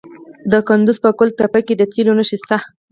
د کندز په ګل تپه کې د تیلو نښې شته.